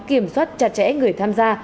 kiểm soát chặt chẽ người tham gia